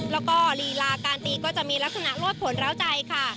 แล้วก็ลีลาการตีก็จะมีลักษณะโลดผลร้าวใจค่ะ